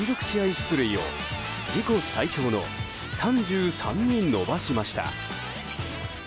出塁を自己最長の３３に伸ばしました。